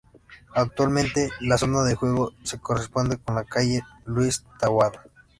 Actualmente, la zona de juego se corresponde con la calle Luis Taboada.